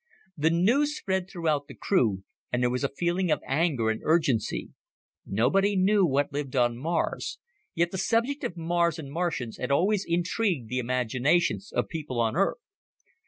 The news spread throughout the crew and there was a feeling of anger and urgency. Nobody knew what lived on Mars, yet the subject of Mars and Martians had always intrigued the imaginations of people on Earth.